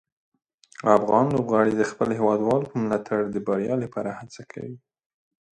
افغان لوبغاړي د خپلو هیوادوالو په ملاتړ د بریا لپاره هڅه کوي.